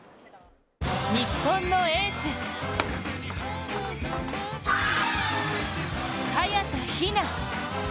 日本のエース、早田ひな。